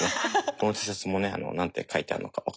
このＴシャツもね何て書いてあるのか分かってないですし。